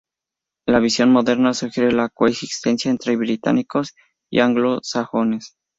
La visión moderna sugiere la coexistencia entre britanos y anglosajones.